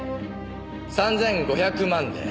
３５００万で。